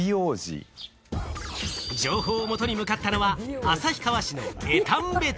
情報をもとに向かったのは旭川市の江丹別。